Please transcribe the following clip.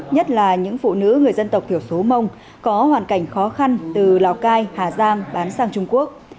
nhất là những phụ nữ người dân tộc thiểu số mông có hoàn cảnh khó khăn từ lào cai hà giang bán sang trung quốc